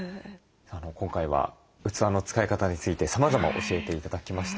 今回は器の使い方についてさまざま教えて頂きました。